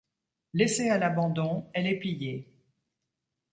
Laissée à l'abandon, elle est pillée.